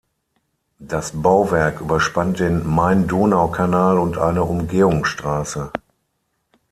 Das Bauwerk überspannt den Main-Donau-Kanal und eine Umgehungsstraße.